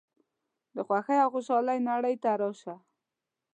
د خوښۍ او خوشحالۍ نړۍ ته راشه.